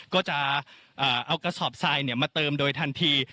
ก็จะเอากระสอบทรายมาเติมโดยทันที